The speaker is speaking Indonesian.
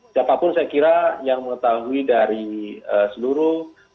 siapapun saya kira yang mengetahui dari seluruh